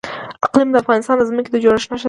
اقلیم د افغانستان د ځمکې د جوړښت نښه ده.